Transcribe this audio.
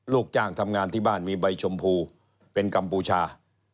ลูกจ้างทำงานที่บ้านมีใบชมพูเป็นกัมพูชา